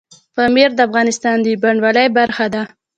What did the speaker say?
پامیر د افغانستان د بڼوالۍ برخه ده.